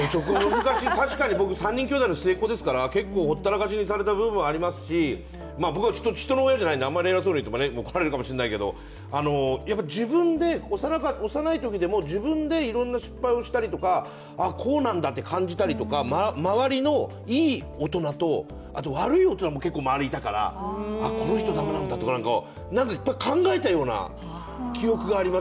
確かに僕、３人兄弟の末っ子ですから結構ほったらかしにされた部分がありますし、僕は人の親じゃないので、あんまり偉そうにいうと怒られるかもしれないですけど自分でいろんな失敗をしたりとかこうなんだと感じたりとか、周りのいい大人と悪い大人も結構周りにいたから、この人だめなんだとか、いっぱい考えたような記憶があります。